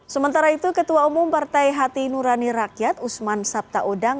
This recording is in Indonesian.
sementara itu ketua umum partai hati nurani rakyat usman sabtaodang